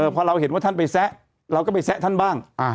พอเราเห็นว่าท่านไปแซะเราก็ไปแซะท่านบ้าง